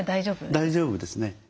大丈夫ですね。